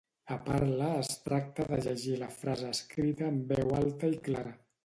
A Parla es tracta de llegir la frase escrita amb veu alta i clara